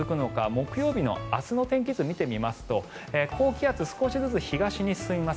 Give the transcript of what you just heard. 木曜日、明日の天気図を見てみますと、高気圧少しずつ東に進みます。